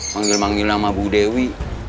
manggil manggil sama bu dewi